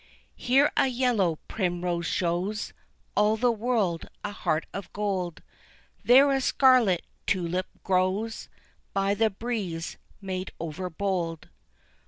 Here a yellow primrose shows All the world a heart of gold, There a scarlet tulip glows, By the breeze made overbold.